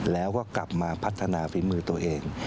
แล้วก็กลับมาพัฒนาฝีมือตัวเอง